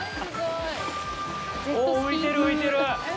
おぉ、浮いてる、浮いてる！